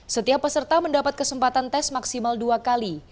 setiap peserta mendapat kesempatan tes maksimal dua kali